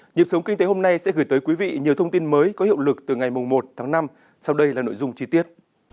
nhịp sống kinh tế hôm nay sẽ gửi tới quý vị nhiều thông tin mới có hiệu lực từ ngày một tháng năm sau đây là nội dung chi tiết